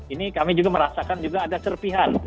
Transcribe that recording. ini kami juga merasakan juga ada serpihan